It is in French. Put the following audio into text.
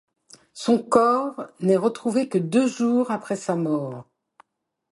Son corps n'est retrouvé que deux jours après sa mort.